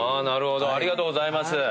なるほどありがとうございます。